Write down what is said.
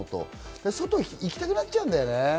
外に行きたくなっちゃうんだよね。